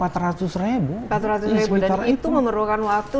dan itu memerlukan waktu